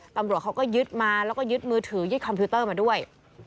ตำรวจเขาก็ยึดมาแล้วก็ยึดมือถือยึดคอมพิวเตอร์มาด้วย